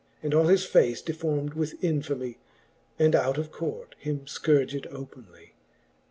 And all his face deform'd with infamie, And out of court him Icourged openly.